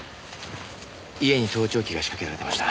家に盗聴器が仕掛けられてました。